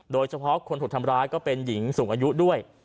โดยเฉพาะคนถูกทำร้ายก็เป็นหญิงสูงอายุด้วย